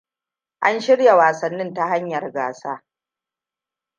An shirya wasannin ta hanyar gasa.